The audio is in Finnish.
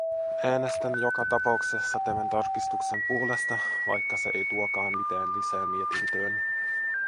Äänestän joka tapauksessa tämän tarkistuksen puolesta, vaikka se ei tuokaan mitään lisää mietintöön.